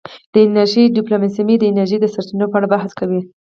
د انرژۍ ډیپلوماسي د انرژۍ د سرچینو په اړه بحث کوي